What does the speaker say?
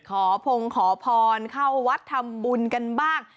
พงขอพรเข้าวัดทำบุญกันบ้าง